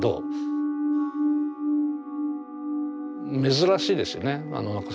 珍しいですよね。